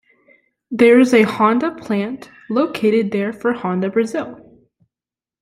There is a Honda plant located there for Honda Brazil.